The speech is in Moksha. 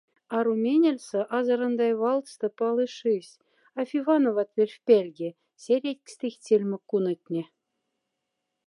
Ару менельса азорондай валдста палы шись — афи вановат перьфпяльге, сярятькстыхть сельмокунотне.